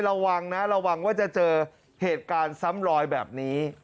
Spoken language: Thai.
ระวังนะระวังว่าจะเจอเหตุการณ์ซ้ำรอยแบบนี้